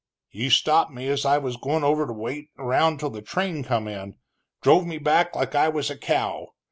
"He stopped me as I was goin' over to wait around till the train come in, drove me back like I was a cow.